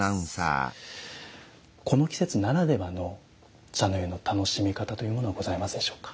この季節ならではの茶の湯の楽しみ方というものはございますでしょうか。